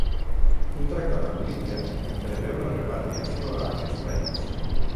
Un tractat amb Líbia en preveu la repatriació a aquest país.